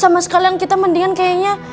sama sekalian kita mendingan kayaknya